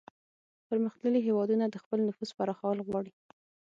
پرمختللي هیوادونه د خپل نفوذ پراخول غواړي